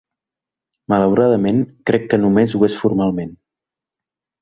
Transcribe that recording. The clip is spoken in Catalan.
Malauradament, crec que només ho és formalment.